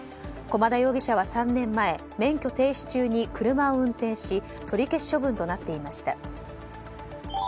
駒田容疑者は３年前免許停止中に車を運転し取り消し処分となっていました。